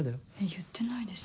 言ってないです。